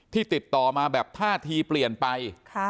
ติดต่อมาแบบท่าทีเปลี่ยนไป